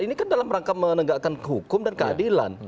ini kan dalam rangka menegakkan hukum dan keadilan